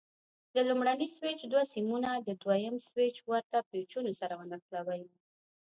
د لومړني سویچ دوه سیمونه د دوه یم سویچ ورته پېچونو سره ونښلوئ.